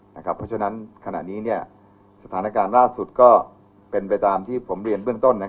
เพราะฉะนั้นขณะนี้สถานการณ์ล่าสุดก็เป็นไปตามที่ผมเรียนเบื้องต้น